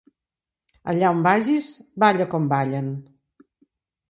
Allà on vagis, balla com ballen.